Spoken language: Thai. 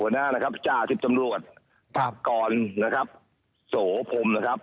หัวหน้านะครับจ้าทริปตำรวจครับกรนะครับโสภมนะครับ